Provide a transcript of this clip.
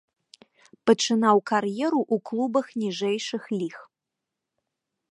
Пачынаў кар'еру ў клубах ніжэйшых ліг.